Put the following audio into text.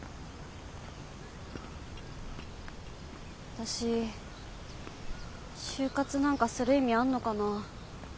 私就活なんかする意味あんのかな。